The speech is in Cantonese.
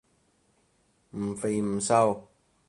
唔肥唔瘦